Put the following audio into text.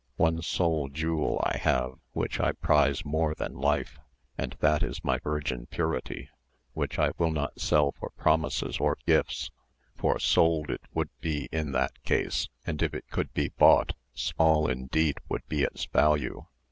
One sole jewel I have, which I prize more than life, and that is my virgin purity, which I will not sell for promises or gifts, for sold it would be in that case, and if it could be bought, small indeed would be its value.